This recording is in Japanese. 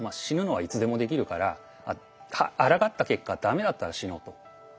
死ぬのはいつでもできるからあらがった結果駄目だったら死のうと。